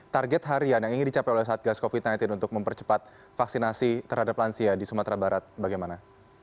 target harian yang ingin dicapai oleh satgas covid sembilan belas untuk mempercepat vaksinasi terhadap lansia di sumatera barat bagaimana